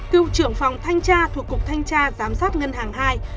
cựu trưởng phòng thanh tra thuộc cục thanh tra giám sát ngân hàng hai